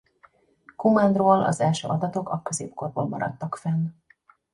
Kumán-ról az első adatok a középkorból maradtak fenn.